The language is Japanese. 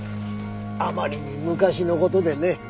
あまりに昔の事でね。